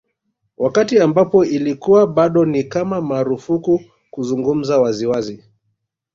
Wakati ambapo ilikuwa bado ni kama marufuku kuzungumza wazi wazi